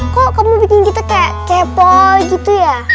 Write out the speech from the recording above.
kok kamu bikin kita kayak kepol gitu ya